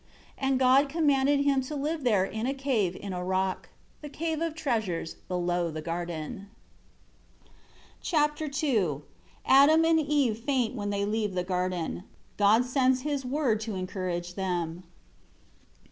9 And God commanded him to live there in a cave in a rock the Cave of Treasures below the garden. Chapter II Adam and Eve faint when they leave the Garden. God sends His Word to encourage them.